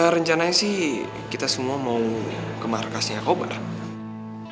rencananya sih kita semua mau ke markasnya kobra